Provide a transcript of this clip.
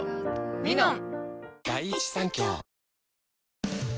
「ミノン」